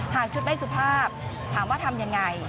หากชุดไม่สุภาพถามว่าทำอย่างไร